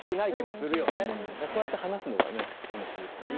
こうやって話すのがね楽しいですよね。